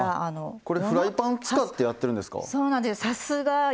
あっこれフライパン使ってやってるんですか？